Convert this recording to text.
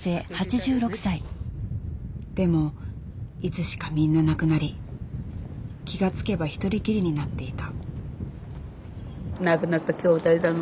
でもいつしかみんな亡くなり気が付けば一人きりになっていた。